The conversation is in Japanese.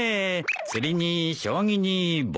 釣りに将棋に盆栽。